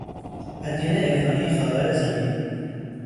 ادیان عرفانی خاور زمین